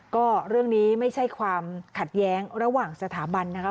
ก็เรื่องนี้ไม่ใช่ความขัดแย้งระหว่างสถาบันนะคะ